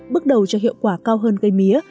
bước đầu cho hiệu quả cao hơn cây mía